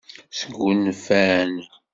Sgunfan.